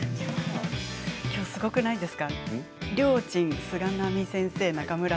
きょうすごくないですか。